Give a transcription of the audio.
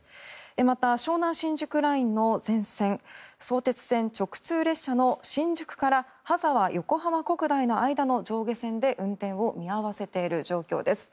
また、湘南新宿ラインの全線相鉄線直通列車の新宿から羽沢横浜国大の間の上下線で運転を見合わせている状態です。